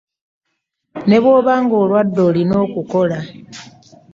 Ne bw'oba ng’olwadde olina okukola.